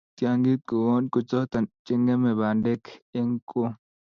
tiangik koun. ko choto chengeme bandek eng koo